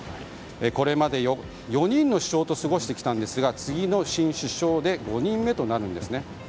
これまで４人の首相と過ごしてきたんですが次の新首相で５人目となるんですね。